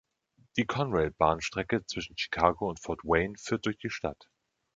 Die Conrail-Bahnstrecke zwischen Chicago und Fort Wayne führt durch die Stadt.